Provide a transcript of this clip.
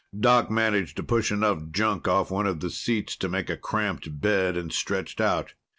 Doc managed to push enough junk off one of the seats to make a cramped bed, and stretched out.